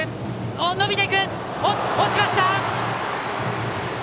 落ちました！